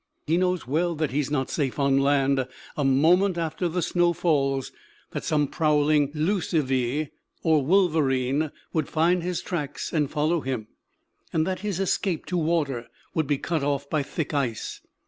He knows well that he is not safe on land a moment after the snow falls; that some prowling lucivee or wolverine would find his tracks and follow him, and that his escape to water would be cut off by thick ice.